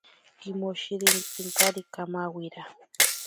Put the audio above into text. Kimoshiritsinkari kamawira.